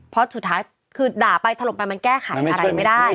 เพราะสุดท้ายคือด่าไปถล่มไปมันแก้ไขอะไรไม่ได้